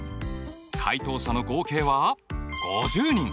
回答者の合計は５０人。